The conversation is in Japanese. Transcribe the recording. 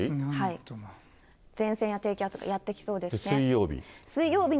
前線や低気圧がやって来そう水曜日。